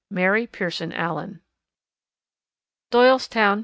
MARY PIERSON ALLEN. _Doylestown, Pa.